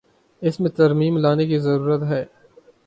اس میں ترمیم لانے کی ضرورت ہے۔